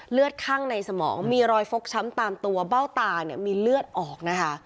เลือดคั่งในสมองมีรอยฟกช้ำตามตัวเบ้าตามีเลือดออก